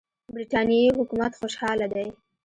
برټانیې حکومت خوشاله دی.